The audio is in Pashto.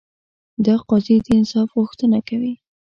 دا قاضي د انصاف غوښتنه کوي.